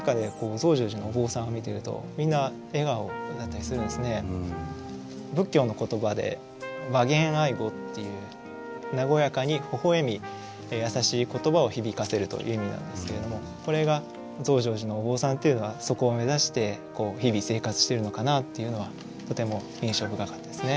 その中で仏教の言葉で「和顔愛語」っていう和やかに微笑み優しい言葉を響かせるという意味なんですけれどもこれが増上寺のお坊さんっていうのはそこを目指して日々生活してるのかなっていうのはとても印象深かったですね。